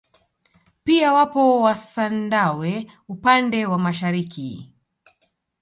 Pia wapo wasandawe upande wa mashariki